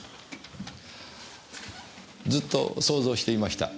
ずっと想像していました。